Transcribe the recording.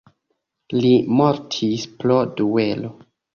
Li mortis pro duelo.